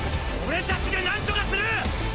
俺たちで何とかする！！